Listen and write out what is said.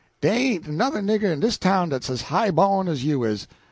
"Dey ain't another nigger in dis town dat's as high bawn as you is.